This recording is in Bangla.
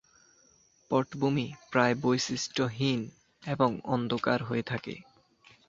পটভূমি প্রায়ই বৈশিষ্ট্যহীন এবং অন্ধকার হয়ে থাকে।